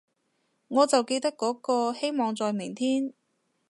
我就記得嗰個，希望在明天